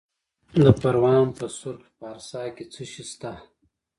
د پروان په سرخ پارسا کې څه شی شته؟